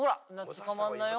捕まんないよ。